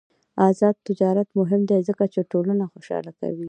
آزاد تجارت مهم دی ځکه چې ټولنه خوشحاله کوي.